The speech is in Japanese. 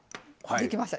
できました。